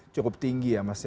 cukup tinggi ya mas